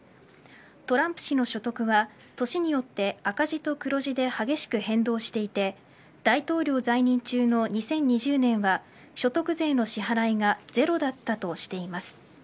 トランプ氏の所得は、年によって赤字と黒字で激しく変動していて大統領在任中の２０２０年は所得税の支払いがゼロだったとしています。